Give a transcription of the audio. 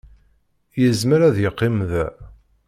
Yezmer ad yeqqim da.